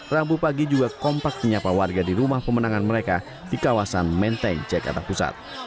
rabu pagi juga kompak menyapa warga di rumah pemenangan mereka di kawasan menteng jakarta pusat